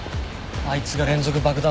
あいつが連続爆弾